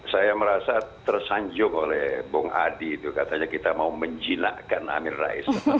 saya merasa tersanjung oleh bung adi itu katanya kita mau menjinakkan amin rais